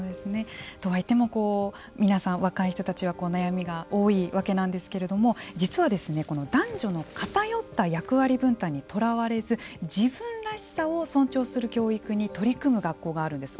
とは言っても皆さん、若い人たちは悩みが多いわけなんですけど実は、男女の偏った役割分担にとらわれず自分らしさを尊重する教育に取り組む学校があるんです。